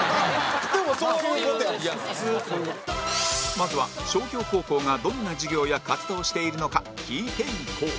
まずは商業高校がどんな授業や活動をしているのか聞いていこう